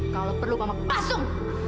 kalau perlu mama pasung